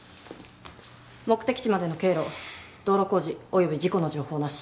目的地までの経路道路工事及び事故の情報なし。